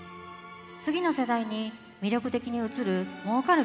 次の世代に魅力的に映るもうかる